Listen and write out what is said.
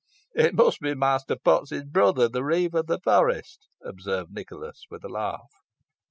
"It must be Master Potts's brother, the reeve of the forest," observed Nicholas, with a laugh.